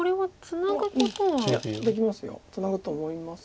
ツナぐと思います。